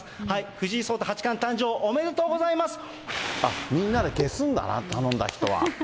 藤井聡太八冠誕生おめみんなで消すんだな、頼んだ人は。